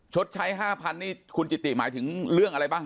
ชดใช้๕๐๐นี่คุณจิติหมายถึงเรื่องอะไรบ้าง